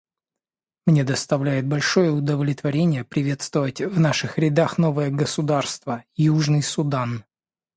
Мне доставляет большое удовлетворение приветствовать в наших рядах новое государство — Южный Судан.